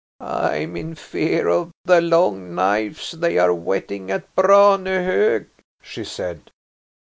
"I am in fear of the long knives they are whetting at Branehog," she said.